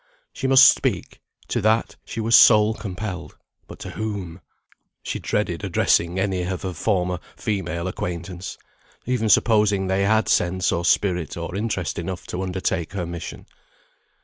She must speak; to that she was soul compelled; but to whom? She dreaded addressing any of her former female acquaintance, even supposing they had sense, or spirit, or interest enough to undertake her mission.